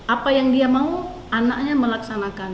apa yang dia mau anaknya melaksanakan